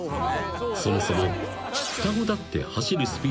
［そもそも］